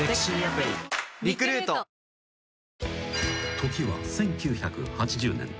［時は１９８０年］